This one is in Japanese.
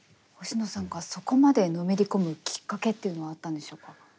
星野さんがそこまでのめり込むきっかけっていうのはあったんでしょうか？